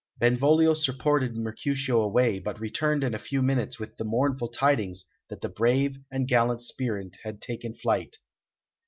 Benvolio supported Mercutio away, but returned in a few minutes with the mournful tidings that the brave and gallant spirit had taken flight.